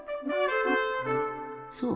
そう。